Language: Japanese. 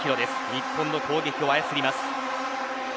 日本の攻撃を操ります。